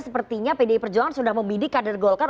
sepertinya pdi perjuangan